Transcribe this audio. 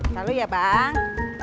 lalu ya bang